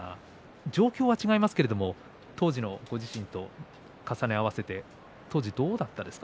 状況は違いますけど当時のご自身と重ね合わせてどうだったですか？